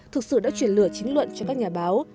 thực sự đã chuyển lửa chính luận cho các nhà báo